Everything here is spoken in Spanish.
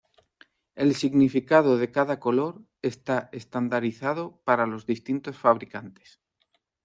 El significado de cada color está estandarizado para los distintos fabricantes.